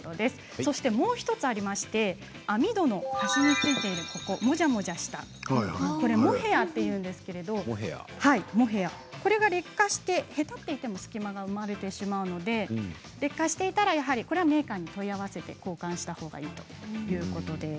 そしてもう１つありまして網戸の端についているもじゃもじゃしたこれもモヘアというんですけれどもこれが劣化してへたっていても隙間が生まれてしまいますので劣化していたらメーカーに問い合わせて交換したほうがいいということです。